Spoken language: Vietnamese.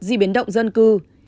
di biến động dân cư